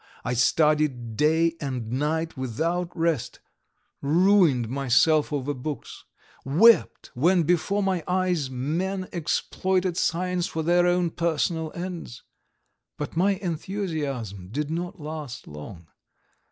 I studied day and night without rest, ruined myself over books, wept when before my eyes men exploited science for their own personal ends. But my enthusiasm did not last long.